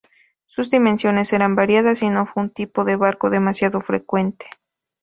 Sus dimensiones eran variadas y no fue un tipo de barco demasiado frecuente.